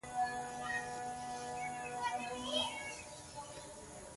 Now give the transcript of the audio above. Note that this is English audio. This would extend pro-slavery interests.